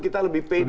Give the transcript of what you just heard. kita lebih pede